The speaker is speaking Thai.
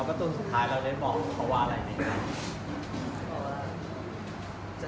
แล้วประตูสุดท้ายเราได้บอกภาพคืออะไรเป็นคะ